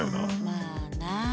まあな。